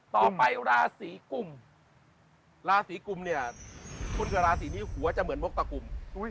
ต่อไปราศีกุมราศีกุมเนี่ยคนเกิดราศีนี้หัวจะเหมือนมกตะกุ่ม